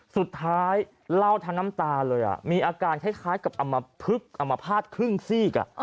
สุดท้ายเล่าทั้งน้ำตาเลยมีอาการคล้ายกับอำมพลึกอมภาษณ์ครึ่งซีก